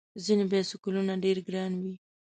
ځینې بایسکلونه ډېر ګران وي.